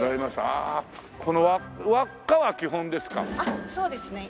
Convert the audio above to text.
あっそうですね。